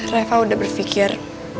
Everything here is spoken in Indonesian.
reva udah berpikir